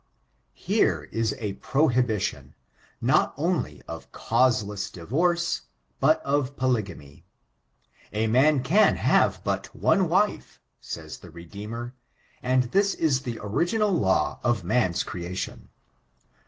Here is a prohibition, not only of causeless divorce, but of polygamy. A man can have but one wife, says the Redeemer; and this is the original law of man's creation.